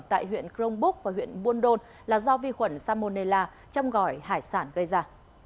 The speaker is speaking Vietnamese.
tại huyện cronbúc và huyện buôn đôn là do vi khuẩn salmonella trong gỏi hải sản gây ra